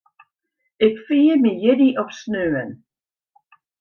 Ik fier myn jierdei op saterdei.